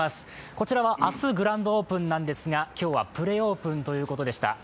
こちらは明日グランドオープンなんですが、今日はプレオープンということでした。